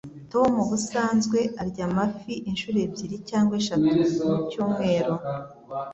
Tom ubusanzwe arya amafi inshuro ebyiri cyangwa eshatu mu cyumweru.